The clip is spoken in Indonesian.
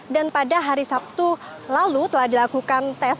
dan pada hari sabtu lalu telah dilakukan tes